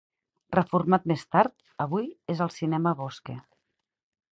Reformat més tard, avui és el Cinema Bosque.